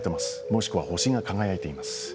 もしくは星が輝いています。